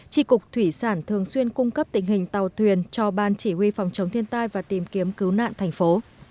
tri cục thủy sản thường xuyên cung cấp tình hình tàu thuyền cho ban chỉ huy phòng chống thiên tai và tìm kiếm cứu nạn thành phố